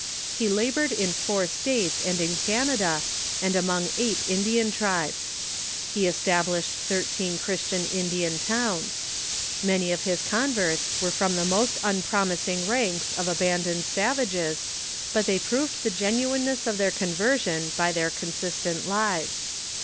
He labored in four states and in Canada, and among eight Indian tribes. He established thirteen Christian Indian towns. Many of his converts were from the most un promising ranks of abandoned savages, but they proved the genuineness of their conversion by their consistent lives.